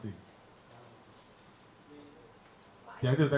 tidak boleh dibuka